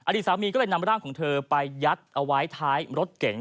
สามีก็เลยนำร่างของเธอไปยัดเอาไว้ท้ายรถเก๋ง